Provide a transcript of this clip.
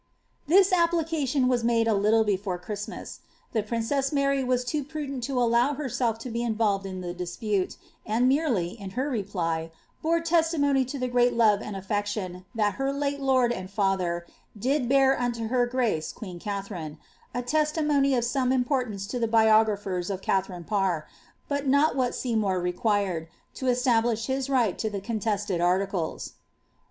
'* This application was made a little before Christmas. The princess Mary was loo prudent to allow herself to be involved in the dispute, and merely, in her reply, bore testimony to the great love and affection that her late lord and father did bear unto her grace queen Katharine— a testimony of some importance to the biographers of Katharine Parr, but not what Seymour required, to establish his right to the contested articles.